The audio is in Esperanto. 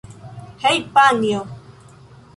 Hej' panjo!